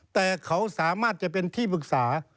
แต่เขาสามารถจะเป็นที่ปรึกษา